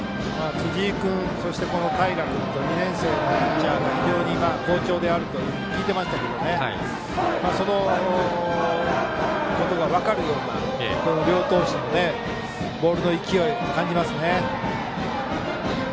辻井君、平君と２年生のピッチャーが非常に好調だと聞いていましたけどそのことが分かるような両投手のボールの勢い感じます。